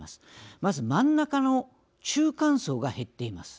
まず真ん中の中間層が減っています。